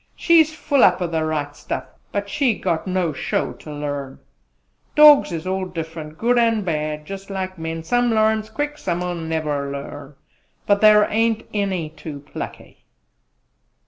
She's full up o' the right stuff, but she got no show to larn! Dawgs is all different, good an' bad just like men: some larns quick; some'll never larn. But thar ain't any too plucky!"